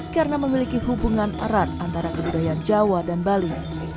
karena memiliki hubungan erat antara kebudayaan jawa dan bali